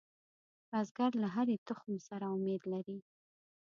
بزګر له هرې تخم سره امید لري